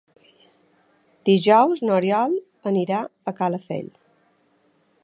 Dijous n'Oriol anirà a Calafell.